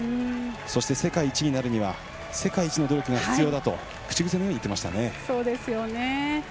そして世界一になるには世界一の努力が必要だと口癖のように言っていましたよね。